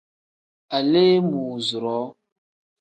Aleemuuzuroo.